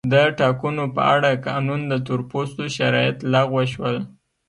د ټاکنو په اړه قانون د تور پوستو شرایط لغوه شول.